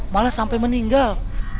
malah sampai meninggal